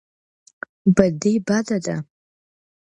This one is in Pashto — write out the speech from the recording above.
بدي بده ده.